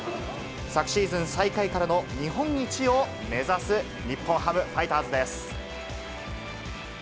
昨シーズン最下位からの日本一を目指す日本ハムファイターズです。